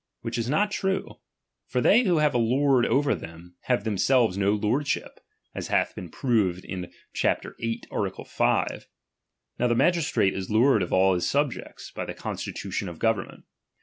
WTiich is not true ; for they who have a lord over them, have themselves no lordship, as hath been proved chap. viii. art. 5. Now the magistrate is lord of all his subjects, by the constitution of government.